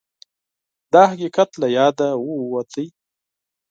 دا حقیقت له یاده ووت